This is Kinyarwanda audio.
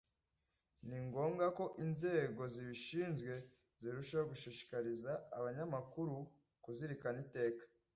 ni ngombwa ko inzego zibishinzwe zirushaho gushishikariza abanyamakuru kuzirikana iteka